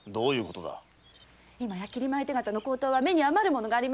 今や切米手形の高騰は目に余るものがあります。